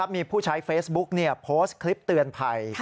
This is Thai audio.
มีผู้ใช้เฟซบุ๊กโพสต์คลิปเตือนภัย